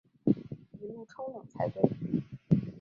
一路超冷才对